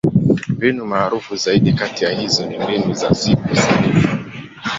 Mbinu maarufu zaidi kati ya hizo ni Mbinu ya Siku Sanifu.